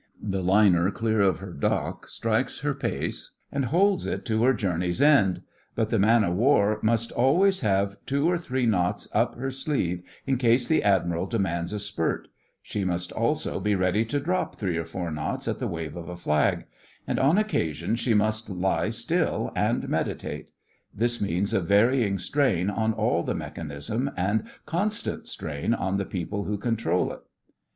The liner clear of her dock strikes her pace and holds it to her journey's end, but the man of war must always have two or three knots up her sleeve in case the Admiral demands a spurt; she must also be ready to drop three or four knots at the wave of a flag; and on occasion she must lie still and meditate. This means a varying strain on all the mechanism, and constant strain on the people who control it.